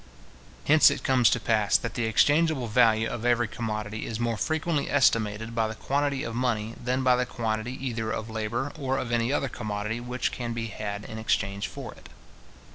Hence it comes to pass, that the exchangeable value of every commodity is more frequently estimated by the quantity of money, than by the quantity either of labour or of any other commodity which can be had in exchange for it.